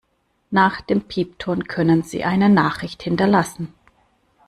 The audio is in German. Nach dem Piepton können Sie eine Nachricht hinterlassen.